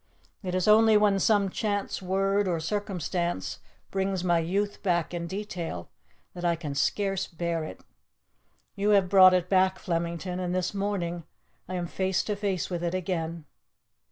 It is only when some chance word or circumstance brings my youth back in detail that I can scarce bear it. You have brought it back, Flemington, and this morning I am face to face with it again."